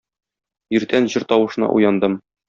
Иртән җыр тавышына уяндым.